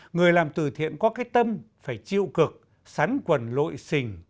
người làm từ thiện có cái tâm phải chịu cực sắn quần lội xình